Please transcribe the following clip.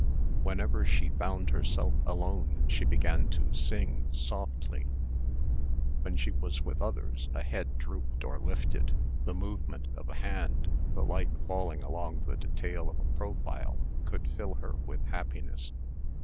Whenever she found herself alone she began to sing, softly. When she was with others a head drooped or lifted, the movement of a hand, the light falling along the detail of a profile could fill her with happiness.